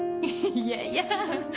いやいや！